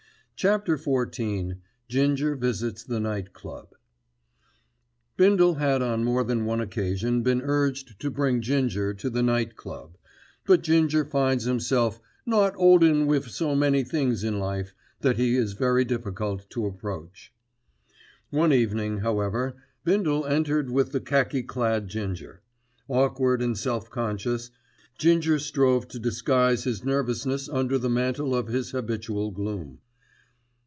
*CHAPTER XIV* *GINGER VISITS THE NIGHT CLUB* Bindle had on more than one occasion been urged to bring Ginger to the Night Club; but Ginger finds himself "not 'oldin' wiv" so many things in life, that he is very difficult to approach. One evening, however, Bindle entered with the khaki clad Ginger. Awkward and self conscious, Ginger strove to disguise his nervousness under the mantle of his habitual gloom.